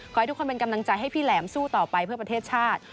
ขอให้ทุกคนเป็นกำลังใจให้พี่แหลมสู้ต่อไปเพื่อประเทศชาติ